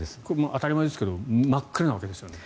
当たり前ですけど真っ暗なわけですよね。